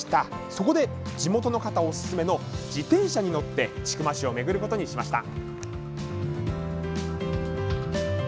そこで、地元の方おすすめの自転車に乗って千曲市をめぐることにしました。